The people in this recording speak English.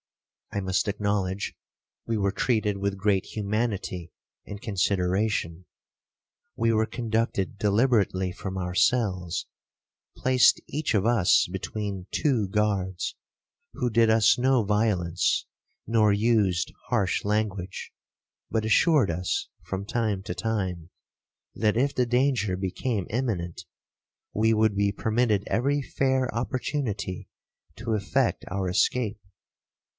I must acknowledge we were treated with great humanity and consideration. We were conducted deliberately from our cells, placed each of us between two guards, who did us no violence, nor used harsh language, but assured us, from time to time, that if the danger became imminent, we would be permitted every fair opportunity to effect our escape.